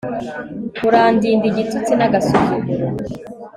urandinde igitutsi n'agasuzuguro